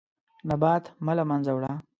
نبات مه له منځه وړه.